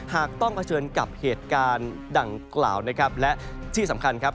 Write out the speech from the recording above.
หากต้องเผชิญกับเหตุการณ์ดังกล่าวนะครับและที่สำคัญครับ